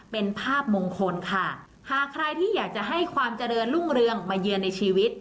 เป็นภาพมงคลค่ะหากใครที่อยากจะให้ความเจริญรุ่งเรืองมาเยือนในชีวิต